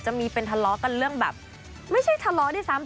จะมีเป็นทะเลาะกันเรื่องแบบไม่ใช่ทะเลาะด้วยซ้ำ